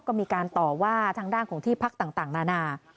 ก็มีการต่อว่าทางด้านของที่พักต่างนานา